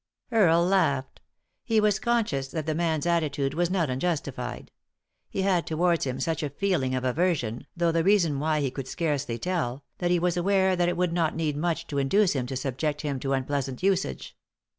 Earle laughed. He was conscious that the man's attitude was not unjustified. He had towards him such a feeling of aversion, though the reason why he could scarcely tell, that he was aware that it would not need much to induce him to subject him to unpleasant usage.